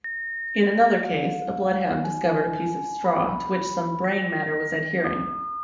In another case a bloodhound discovered a piece of straw to which some brain matter was adhering.